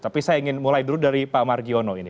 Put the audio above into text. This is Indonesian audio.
tapi saya ingin mulai dulu dari pak margiono ini